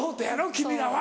君らは。